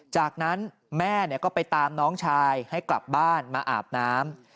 จากนั้นแม่ก็ไปตามน้องชายให้กลับบ้านมาอาบน้ำ